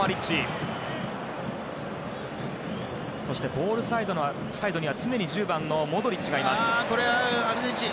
ボールサイドには常に１０番のモドリッチがいます。